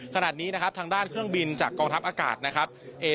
ขณะนี้นะครับทางด้านเครื่องบินจากกองทัพอากาศนะครับ